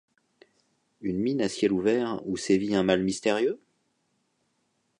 Une mine à ciel ouvert où sévit un mal mystérieux?